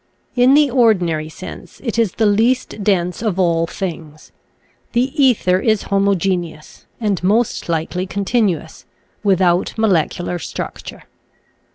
In the ordinary sense it is the least dense of all things. The ether is homogeneous, and most likely continuous — without molecular struc ture.